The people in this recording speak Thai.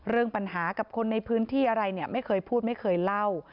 เรื่องปัญหากับคนในพื้นที่อะไรเนี่ยไม่เคยพูดไม่เคยเล่า